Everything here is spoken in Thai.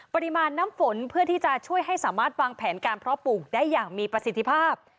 ปริมาณน้ำฝนเพื่อที่จะช่วยให้สามารถวางแผนการเพาะปลูกได้อย่างมีประสิทธิภาพ